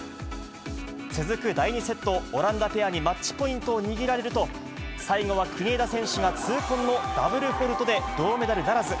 続く第２セット、オランダペアにマッチポイントを握られると、最後は国枝選手が痛恨のダブルフォルトで銅メダルならず。